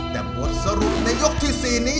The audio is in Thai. แต่บทสรุปในยกที่๔นี้